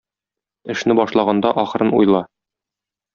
Эшне башлаганда ахырын уйла.